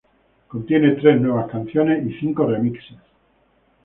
Contiene tres nuevas canciones y cinco remixes.